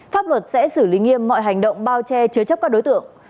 pháp luật sẽ xử lý nghiêm mọi hành động bao che chứa chấp các đối tượng